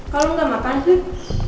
kamu gak makan sih